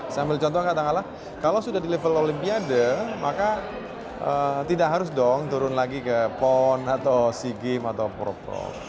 saya ambil contoh katakanlah kalau sudah di level olimpiade maka tidak harus dong turun lagi ke pon atau sea games atau pro